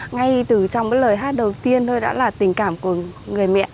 ngay từ trong cái lời hát đầu tiên thôi đã là tình cảm của người mẹ